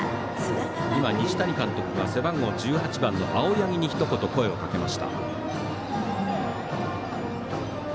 今、西谷監督が背番号１８番の青柳にひと言、声をかけました。